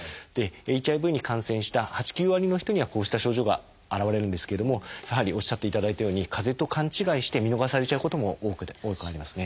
ＨＩＶに感染した８９割の人にはこうした症状が現れるんですけれどもやはりおっしゃっていただいたようにかぜと勘違いして見逃されちゃうことも多くありますね。